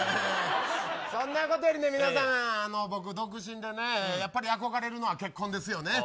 そんなことよりね、皆さん僕独身でね憧れるのは結婚ですよね。